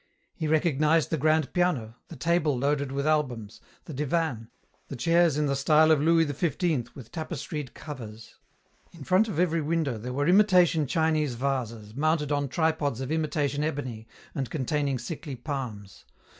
He recognized the grand piano, the table loaded with albums, the divan, the chairs in the style of Louis XV with tapestried covers. In front of every window there were imitation Chinese vases, mounted on tripods of imitation ebony and containing sickly palms.